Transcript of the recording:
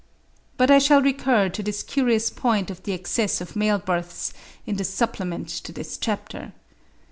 But I shall recur to this curious point of the excess of male births in the supplement to this chapter.